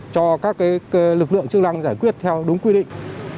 cho các lực lượng chức năng giải quyết theo đúng quy định